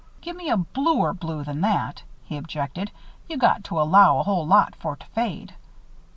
"Gimme a bluer blue than that," he objected. "You got to allow a whole lot for to fade.